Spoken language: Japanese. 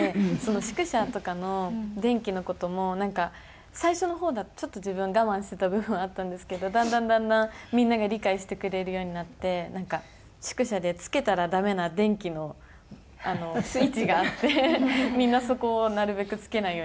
宿舎とかの電気の事もなんか最初の方だとちょっと自分我慢してた部分はあったんですけどだんだんだんだんみんなが理解してくれるようになってなんか宿舎でつけたらダメな電気のスイッチがあってみんなそこをなるべくつけないようにしてくれて。